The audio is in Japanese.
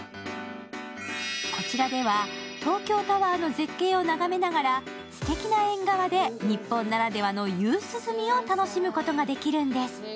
こちらでは、東京タワーの絶景を眺めながら素敵な縁側で日本ならではの夕涼みを楽しむことができるんです。